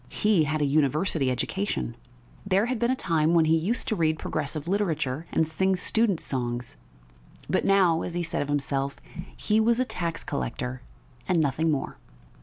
He had had a university education; there had been a time when he used to read progressive literature and sing students' songs, but now, as he said of himself, he was a tax collector and nothing more.